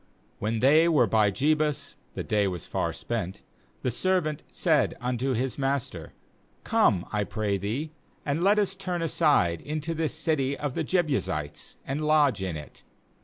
nWhen they were by Jebus —the day was far spent — the servant said unto his master: 'Come, I pray thee, and let us turn aside into this city of the Jebusites, and lodge in it.'